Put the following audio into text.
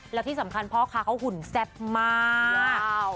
แล้วที่สำคัญพ่อค้าเขาหุ่นแซ่บมาก